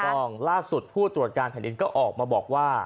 ล่าสุดผู้ตรวจการแผ่นดินก็ออกมาบอกว่า